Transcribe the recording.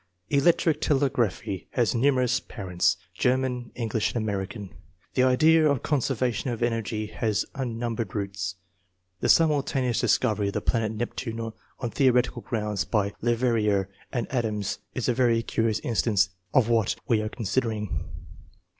Elec tric telegraphy has numerous parents, German, English and American. The idea of conserva tion of energy has unnumbered roots. The sim ultaneous discovery of the planet Neptime on theoretical grounds by Leverrier and Adams is a very curious instance of what we are con sidering.